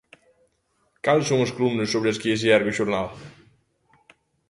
Cales son as columnas sobre as que se ergue o xornal?